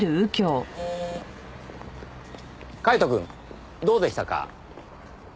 カイトくんどうでしたか？